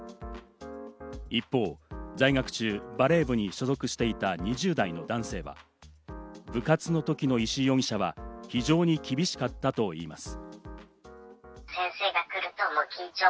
一方、在学中、バレー部に所属していた２０代の男性は、部活の時の石井容疑者は非常に厳しかったといいます。